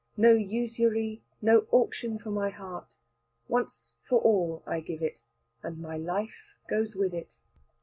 No usury, no auction for my heart: once for all I give it, and my life goes with it.